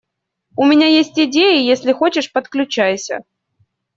У меня есть идеи, если хочешь - подключайся.